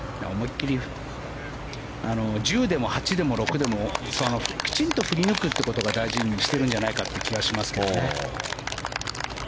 １０でも８でも６でもきちんと振り抜くということを大事にしてるんじゃないかという気がしますね。